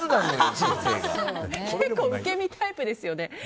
結構受け身タイプですよね。